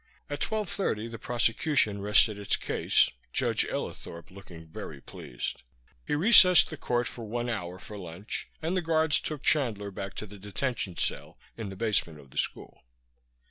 At twelve thirty the prosecution rested its case, Judge Ellithorp looking very pleased. He recessed the court for one hour for lunch, and the guards took Chandler back to the detention cell in the basement of the school.